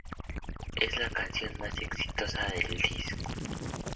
Es la canción más exitosa del disco.